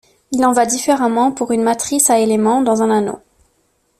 Il en va différemment pour une matrice à éléments dans un anneau.